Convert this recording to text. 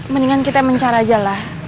mendingan kita mencari aja lah